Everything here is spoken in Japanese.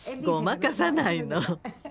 ごまかさないの。